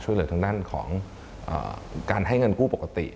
เหลือทางด้านของการให้เงินกู้ปกติ